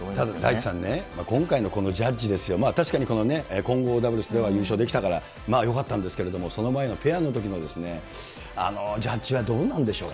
大地さんね、今回のジャッジですよ、確かに混合ダブルスでは優勝できたからまあよかったんですけど、その前のペアのとき、ジャッジはどうなんでしょう。